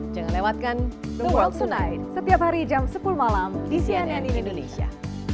jangan lewatkan the world tonight setiap hari jam sepuluh malam di cnn indonesia